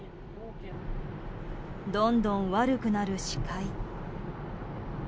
どんどん悪くなる視界。